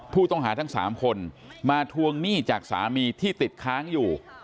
ผู้ต้องหาทั้ง๓คนมาทวงหนี้จากสามีที่ติดค้างอยู่